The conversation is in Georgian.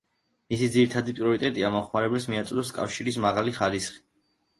მისი ძირითადი პრიორიტეტია მომხმარებელს მიაწოდოს კავშირის მაღალი ხარისხი და მომსახურების ფართო სპექტრი.